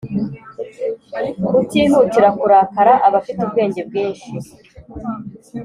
utihutira kurakara aba afite ubwenge bwinshi,